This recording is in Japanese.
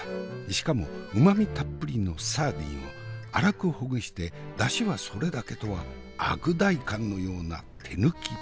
しかもうまみたっぷりのサーディンを粗くほぐしてだしはそれだけとは悪代官のような手抜きっぷりじゃ。